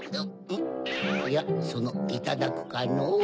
いやそのいただくかのう。